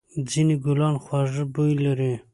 ځېنې گلان خوږ بوی لري.